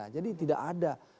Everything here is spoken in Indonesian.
jadi tidak ada